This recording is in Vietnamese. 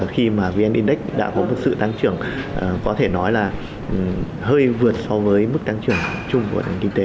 khi mà vn index đã có một sự tăng trưởng có thể nói là hơi vượt so với mức tăng trưởng chung của nền kinh tế